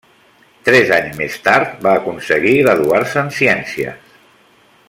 Tres anys més tard va aconseguir graduar-se en ciències.